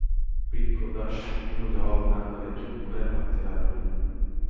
বিপ্রদাস কোনো জবাব না করে চুপ করে ভাবতে লাগল।